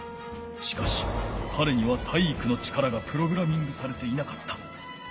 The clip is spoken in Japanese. しかしかれには体育の力がプログラミングされていなかった。